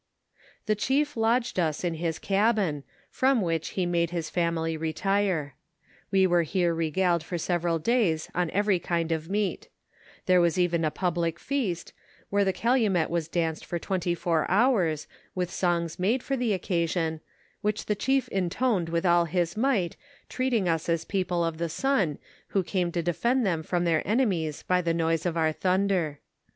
The chief lodged us in his cabin, fiom which he made his family retire. We were here regaled for several days on every kind of meat ; there was even a public feast, where the calumet was danced for twenty four hours, with songs made for the occasion, which the chief intoned with all his might, treating us as people of the sun, who came to defend them from their enemies by the noise of our thunder.